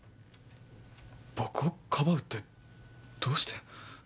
僕をかばうってどうして？